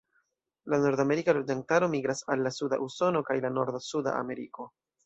La nordamerika loĝantaro migras al la suda Usono kaj la norda Suda Ameriko.